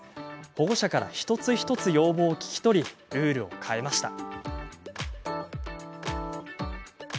保護者から一つ一つ要望を聞き取りルールを変えました。